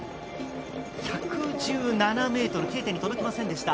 １１７ｍ、Ｋ点に届きませんでした。